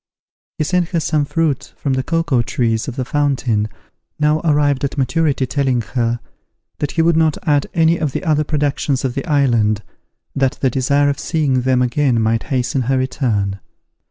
He sent her some fruit from the cocoa trees of the fountain, now arrived at maturity telling her, that he would not add any of the other productions of the island, that the desire of seeing them again might hasten her return.